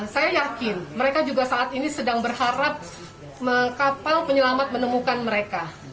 saya yakin mereka juga saat ini sedang berharap kapal penyelamat menemukan mereka